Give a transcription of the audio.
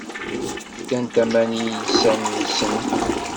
Fkant aman i yiysan-nsent.